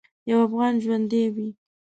یو افغان ژوندی وي.